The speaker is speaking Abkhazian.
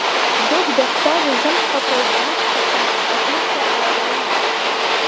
Дыгә дахьтәаз изымчҳакәа дҩыҵхахан, аҭынчра ааилеигеит.